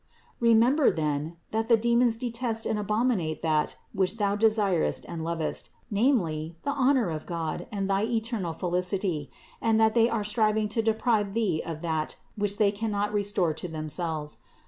355. Remember then, that the demons detest and abominate that which thou desirest and lovest, namely the honor of God and thy eternal felicity; and that they are striving to deprive thee of that which they cannot restore to themselves.